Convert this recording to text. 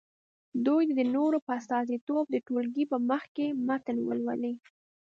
دوی دې د نورو په استازیتوب د ټولګي په مخکې متن ولولي.